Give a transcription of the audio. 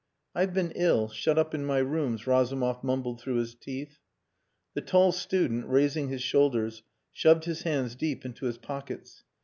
"I've been ill shut up in my rooms," Razumov mumbled through his teeth. The tall student, raising his shoulders, shoved his hands deep into his pockets.